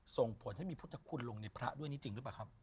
ส่งผลให้มีพุทธคุณลงในพระด้วยนี้จริงหรือเปล่าครับ